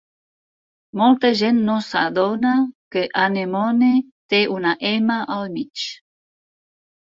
Molta gent no s'adona que "anemone" té una "m" al mig.